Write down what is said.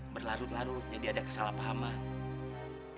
berlarut larut jadi ada kesalahpahaman